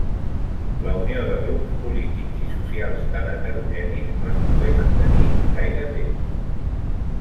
La unió de grups polítics i socials tan heterogenis no es pogué mantenir gaire temps.